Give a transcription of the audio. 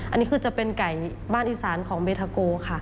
อันนี้คือจะเป็นไก่บ้านอีสานของเบทาโกค่ะ